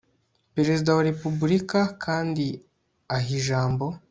Perezida wa Repubulika kandi aha ijambo